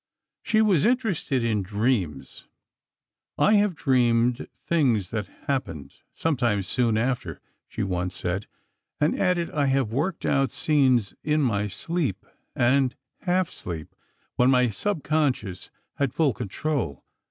She was interested in dreams. "I have dreamed things that happened; sometimes soon after," she once said, and added: "I have worked out scenes in my sleep, and half sleep, when my subconsciousness had full control.